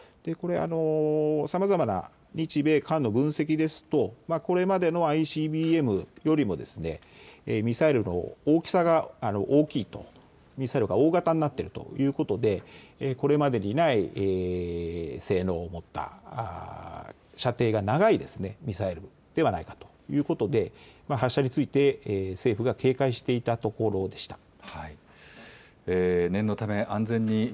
これは、さまざまな日米韓の分析ですとこれまでのＩＣＢＭよりミサイルの大きさが大きい、ミサイルが大型になっているということで、これまでにない性能を持った射程が長いミサイルではないかということで、発射について政府が警戒していたところでした。